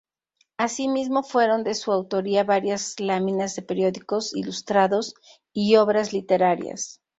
Asimismo, fueron de su autoría varias láminas de periódicos ilustrados y obras literarias.